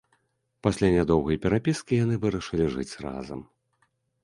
Пасля нядоўгай перапіскі яны вырашылі жыць разам.